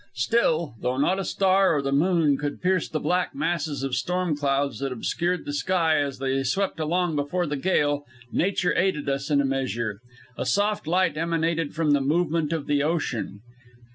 Still, though not a star or the moon could pierce the black masses of storm clouds that obscured the sky as they swept along before the gale, nature aided us in a measure. A soft light emanated from the movement of the ocean.